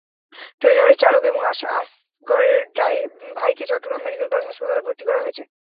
ট্রেইলরের চালক এবং আসগরের ভাইকে চট্টগ্রাম মেডিকেল কলেজ হাসপাতালে ভর্তি করা হয়েছে।